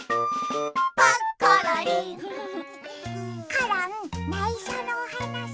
コロンないしょのおはなし。